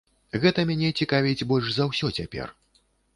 Гэта мяне цікавіць больш за ўсё цяпер.